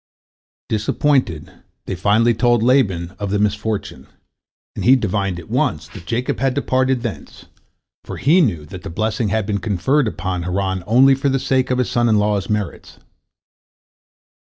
Disappointed, they finally told Laban of the misfortune, and he divined at once that Jacob had departed thence, for he knew that the blessing had been conferred upon Haran only for the sake of his son in law's merits.